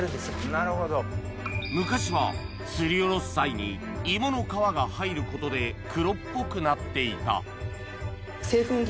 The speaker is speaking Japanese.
昔はすりおろす際に芋の皮が入ることで黒っぽくなっていた